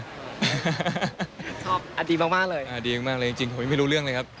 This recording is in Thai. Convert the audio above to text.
ชอบดีมากเลยดีมากเลยจริงผมไม่รู้เรื่องเลยครับ